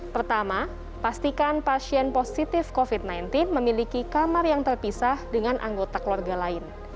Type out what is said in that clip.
pertama pastikan pasien positif covid sembilan belas memiliki kamar yang terpisah dengan anggota keluarga lain